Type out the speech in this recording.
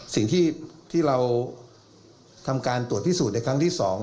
สิ่งที่เราทำการตรวจพิสูจน์ในครั้งที่๒